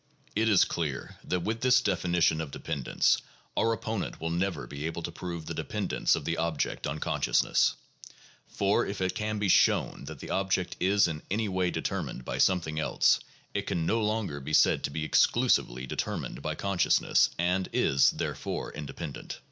It is clear that with this definition of dependence our opponent will never be able to prove the dependence of the object on consciousness; for, if it can be shown that the object is in any way determined by something else, it can no longer be said to be exclusively determined by consciousness and is, therefore, independent.